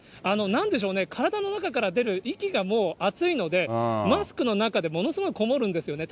なんでしょうね、体の中から出る息がもう暑いので、マスクの中でものすごくこもるんですよね。